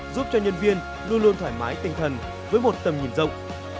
giúp cho nhân viên luôn luôn thoải mái tinh thần với một tầm nhìn rộng